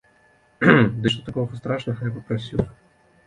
Ды і што такога страшнага я папрасіў?